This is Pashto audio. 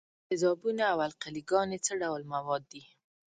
تیزابونه او القلې ګانې څه ډول مواد دي؟